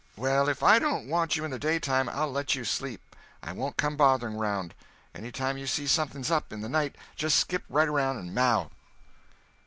"Well, if I don't want you in the daytime, I'll let you sleep. I won't come bothering around. Any time you see something's up, in the night, just skip right around and maow."